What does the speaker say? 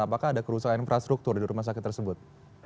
apakah ada kerusakan infrastruktur di rumah sakit tersebut